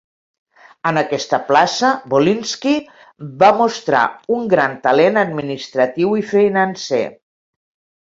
En aquesta plaça, Volynsky va mostrar un gran talent administratiu i financer.